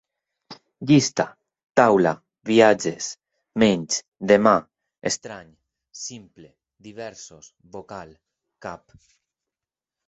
Llista: taula, viatges, menys, demà, estrany, simple, diversos, vocal, cap